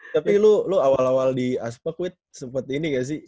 tapi lo awal awal di aspak witt sempet ini gak sih